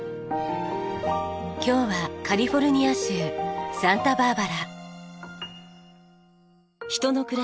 今日はカリフォルニア州サンタバーバラ。